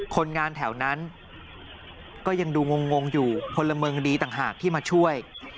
คนงานแถวนั้นก็ยังดูงงอยู่พลเมืองดีต่างหากที่มาช่วย